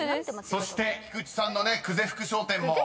［そして菊地さんのね「久世福商店」も］